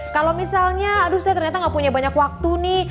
kalau misalnya aduh saya ternyata gak punya banyak waktu nih